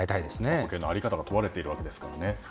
保険の在り方が問われているわけですからね。